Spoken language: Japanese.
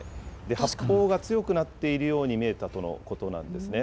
発泡が強くなっているように見えたとのことなんですね。